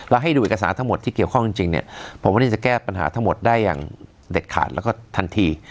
แล้วให้ดูเอกสารทั้งหมดที่เกี่ยวข้องจริงเนี่ยผมว่านี่จะแก้ปัญหาทั้งหมดได้อย่างเด็ดขาดแล้วก็ทันที